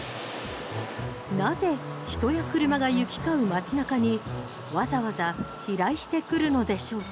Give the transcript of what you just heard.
なぜ人や車が行き交う街中にわざわざ飛来してくるのでしょうか？